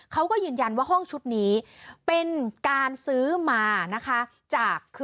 เขาก็ยืนยันว่าห้องชุดนี้เป็นการซื้อมานะคะ